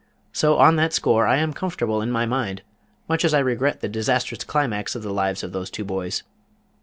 So, on that score, I am comfortable in my mind, much as I regret the disastrous climax of the lives of those two boys.